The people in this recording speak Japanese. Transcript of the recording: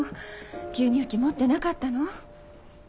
吸入器持ってなかったの？